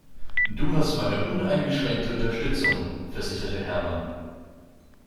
Du hast meine uneingeschränkte Unterstützung, versicherte Hermann.